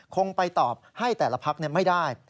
คงไปตอบให้แต่ละพักไม่ได้